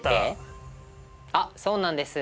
あっそうなんです。